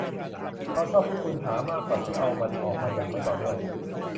เราชอบที่คุณหามากกว่าที่เอามันออกมาอย่างไม่ต่อเนื่อง